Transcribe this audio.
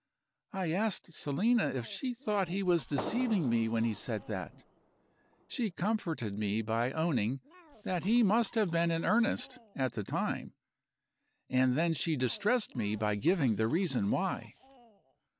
I asked Selina if she thought he was deceiving me when he said that. She comforted me by owning that he must have been in earnest, at the time and then she distressed me by giving the reason why.